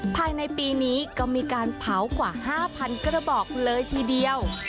ภายในปีนี้ก็มีการเผากว่า๕๐๐๐กระบอกเลยทีเดียว